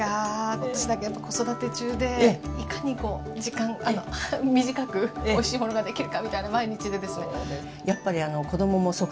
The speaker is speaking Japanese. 私なんか子育て中でいかにこう時間短くおいしいものができるかみたいな毎日でですね。